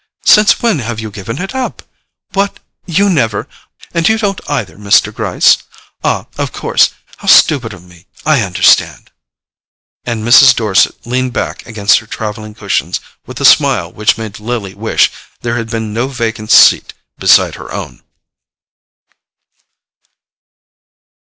Since when have you given it up? What—you never—— And you don't either, Mr. Gryce? Ah, of course—how stupid of me—I understand." And Mrs. Dorset leaned back against her travelling cushions with a smile which made Lily wish there had been no vacant seat beside her own.